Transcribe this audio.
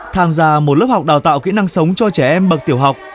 tham gia một lớp học đào tạo kỹ năng sống cho trẻ em bậc tiểu học